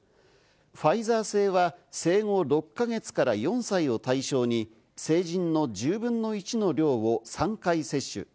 ファイザー製は生後６か月から４歳を対象に成人の１０分の１の量を３回接種。